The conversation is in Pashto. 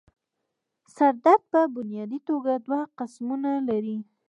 سر درد پۀ بنيادي توګه دوه قسمونه لري